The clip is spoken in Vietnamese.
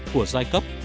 của giai cấp